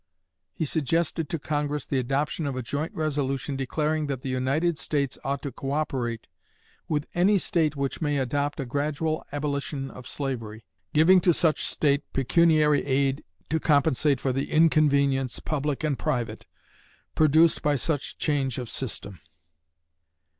He suggested to Congress the adoption of a joint resolution declaring "that the United States ought to co operate with any State which may adopt a gradual abolition of slavery, giving to such State pecuniary aid to compensate for the inconvenience, public and private, produced by such change of system."